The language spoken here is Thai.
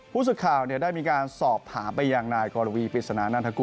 ผู้สุดข่าวได้มีการสอบถามใบยางนายกรวีฟิศนานัฐกุณ